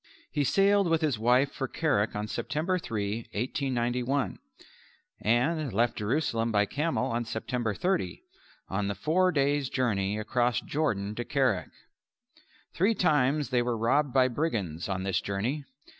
He sailed with his wife for Kerak on September 3, 1891, and left Jerusalem by camel on September 30, on the four days' journey across Jordan to Kerak. Three times they were robbed by brigands on this journey.